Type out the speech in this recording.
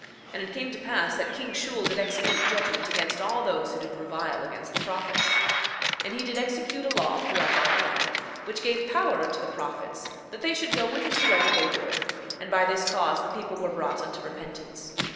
And it came to pass that king Shule did execute judgment against all those who did revile against the prophets. 7:25 And he did execute a law throughout all the land, which gave power unto the prophets that they should go whithersoever they would; and by this cause the people were brought unto repentance.